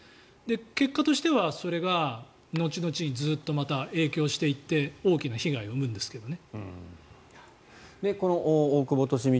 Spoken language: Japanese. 結果としてはそれが後々ずっと影響していって大きな被害を生むんですけどね。